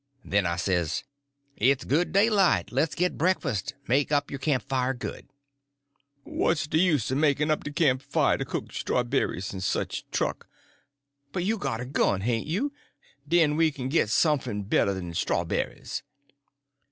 Then I says: "It's good daylight. Le's get breakfast. Make up your camp fire good." "What's de use er makin' up de camp fire to cook strawbries en sich truck? But you got a gun, hain't you? Den we kin git sumfn better den strawbries."